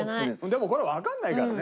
でもこれわからないからね。